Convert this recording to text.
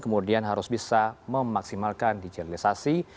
kemudian harus bisa memaksimalkan digitalisasi